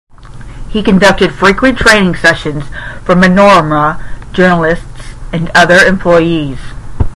He conducted frequent training sessions for "Manorama" journalists and other employees.